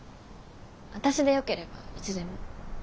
私でよければいつでも。